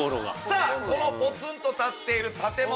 このポツンと立っている建物。